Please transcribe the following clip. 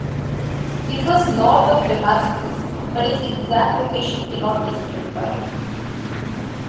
It was North of Damascus, but its exact location cannot be specified.